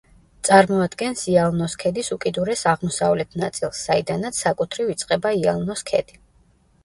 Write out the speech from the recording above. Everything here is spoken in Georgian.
წარმოადგენს იალნოს ქედის უკიდურეს აღმოსავლეთ ნაწილს, საიდანაც საკუთრივ იწყება იალნოს ქედი.